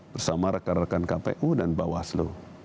bersama rekan rekan kpu dan bawaslu